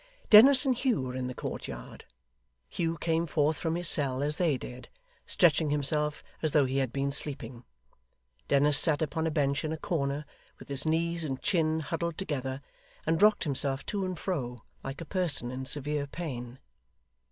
Dennis and Hugh were in the courtyard. Hugh came forth from his cell as they did, stretching himself as though he had been sleeping. Dennis sat upon a bench in a corner, with his knees and chin huddled together, and rocked himself to and fro like a person in severe pain.